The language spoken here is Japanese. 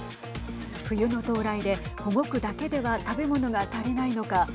冬の到来で保護区だけでは食べ物が足りないのか。